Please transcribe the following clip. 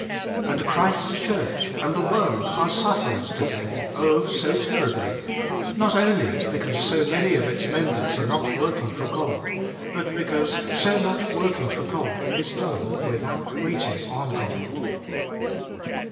And Christ's Church and the world are sufferers to day, oh, so terribly! not only because so many of its members are not working for God, but because so much working for God is done without waiting on God.